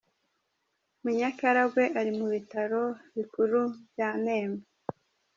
Munyakaragwe ari mu bitaro bikuru bya Nemba.